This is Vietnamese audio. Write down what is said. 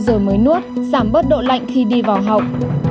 giờ mới nuốt giảm bớt độ lạnh khi đi vào học